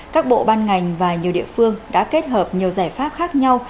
các bộ ban ngành và nhiều địa phương đã kết hợp nhiều giải pháp khác nhau